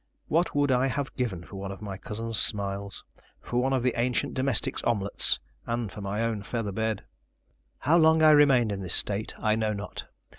What would I have given for one of my cousin's smiles, for one of the ancient domestic's omelettes, and for my own feather bed! How long I remained in this state I know not.